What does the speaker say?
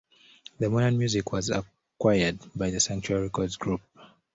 When Modern Music was acquired by the Sanctuary Records Group.